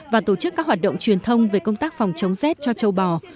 và tổ chức các hoạt động truyền thông về công tác phòng chống rét cho châu bò